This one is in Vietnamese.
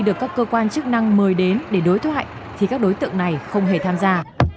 để đối thoại thì các đối tượng này không hề tham gia